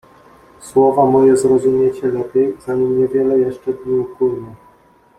"Słowa moje zrozumiecie lepiej, zanim niewiele jeszcze dni upłynie."